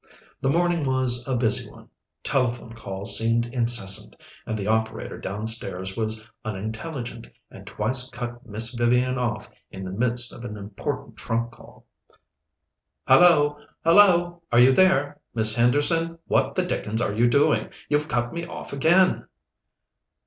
The morning was a busy one. Telephone calls seemed incessant, and the operator downstairs was unintelligent and twice cut Miss Vivian off in the midst of an important trunk call. "Hallo! hallo! are you there? Miss Henderson, what the dickens are you doing? You've cut me off again."